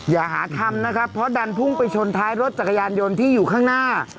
อย่าหาทำนะครับเพราะดันพุ่งไปชนท้ายรถจักรยานยนต์ที่อยู่ข้างหน้า